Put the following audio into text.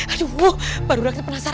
aduh baru doang ke pernah hampir